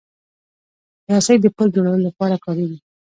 رسۍ د پُل جوړولو لپاره کارېږي.